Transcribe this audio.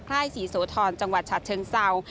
ใคร่ศรีโสธรจังหวัดชาติเชิงเศร้า